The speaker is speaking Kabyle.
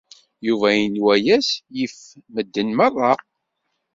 Yuba yenwa-yas yif medden meṛṛa.